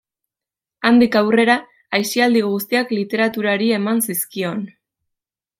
Handik aurrera, aisialdi guztiak literaturari eman zizkion.